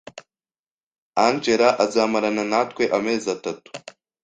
Angella azamarana natwe amezi atatu.